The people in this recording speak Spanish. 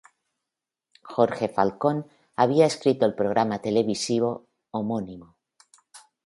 Jorge Falcón había escrito el programa televisivo homónimo.